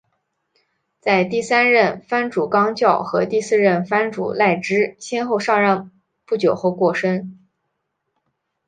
在第三任藩主纲教和第四任藩主赖织先后上任不久而过身。